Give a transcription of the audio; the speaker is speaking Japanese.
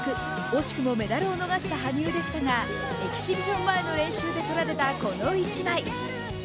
惜しくもメダルを逃した羽生でしたがエキシビジョン前の練習で撮られたこの１枚。